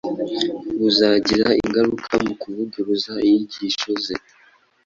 buzagira ingaruka mu kuvuguruza inyigisho ze.